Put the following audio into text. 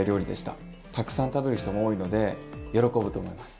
たくさん食べる人も多いので喜ぶと思います。